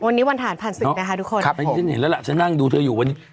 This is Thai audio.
วันนี้วันฐานผ่านศึกนะคะทุกคน